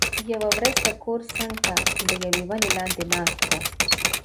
یوه ورځ د کور څنګ ته د یوې ونې لاندې ناست و،